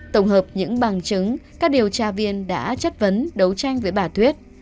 tổng hợp những bằng chứng các điều tra viên đã chất vấn đấu tranh với bà thuyết